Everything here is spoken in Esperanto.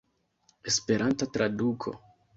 Esperanta traduko.